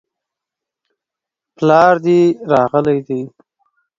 پلار دي راغلی دی؟